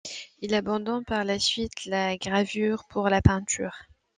Il abandonne par la suite la gravure pour la peinture.